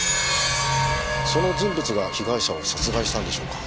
その人物が被害者を殺害したんでしょうか？